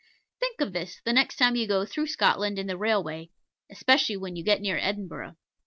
Think of this the next time you go through Scotland in the railway, especially when you get near Edinburgh.